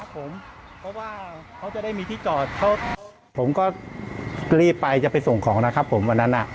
เพราะว่าเขาจะได้มีที่จอดผมก็รีบไปจะไปส่งของนะครับผมวันนั้น